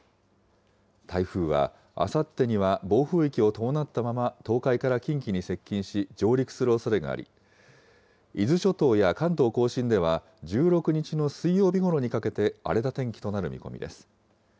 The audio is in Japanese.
台風はあさってには暴風域を伴ったまま東海から近畿に接近し、上陸するおそれがあり、伊豆諸島や関東甲信では１６日の水曜日ごろにかけて、荒れた天気となる見込みです。